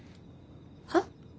はっ？